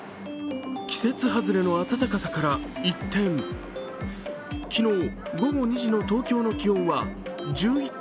季節外れの暖かさから一転、昨日、午後２時の東京の気温は１１．３度。